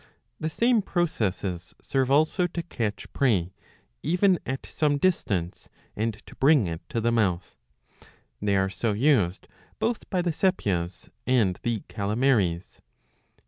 ^* The same processes serve also to catch prey even at some distance and to bring it to the mouth. They are so used both by the Sepias and the Caletmaries.